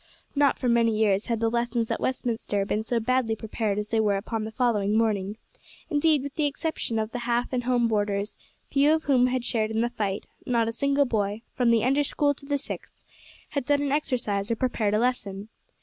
Not for many years had the lessons at Westminster been so badly prepared as they were upon the following morning indeed, with the exception of the half and home boarders, few of whom had shared in the fight, not a single boy, from the Under School to the Sixth, had done an exercise or prepared a lesson.